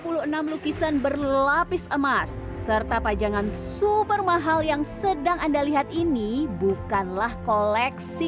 puluh enam lukisan berlapis emas serta pajangan super mahal yang sedang anda lihat ini bukanlah koleksi